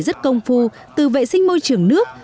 rất công phu từ vệ sinh môi trường nước